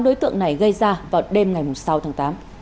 đối tượng này gây ra vào đêm ngày sáu tháng tám